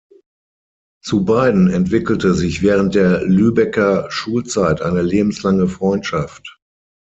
Zu Beiden entwickelte sich während der Lübecker Schulzeit eine lebenslange Freundschaft.